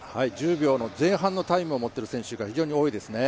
１０秒の前半のタイムを持っている選手が非常に多いですね。